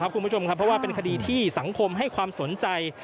คุณผู้ชมครับเพราะว่าเป็นคดีที่สังคมให้ความสนใจ